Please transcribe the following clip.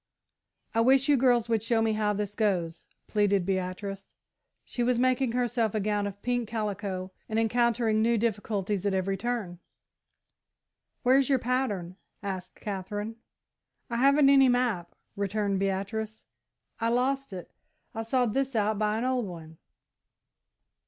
"I wish you girls would show me how this goes," pleaded Beatrice. She was making herself a gown of pink calico, and encountering new difficulties at every turn. "Where's your pattern," asked Katherine. "I haven't any map," returned Beatrice; "I lost it. I sawed this out by an old one."